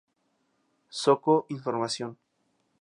Zoco información